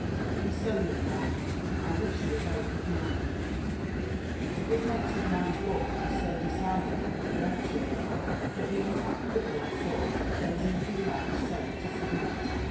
And so^ young man, I wish you a very good morning/' The good natured man'a look was so decided and peremptory, that the unhappy Whitlaw saw there was nothing left «ave to submit.